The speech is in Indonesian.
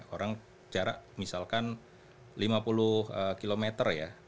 orang jarak misalkan lima puluh km ya